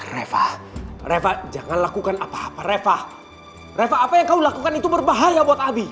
reva reva jangan lakukan apa apa reva reva apa yang kau lakukan itu berbahaya buat abi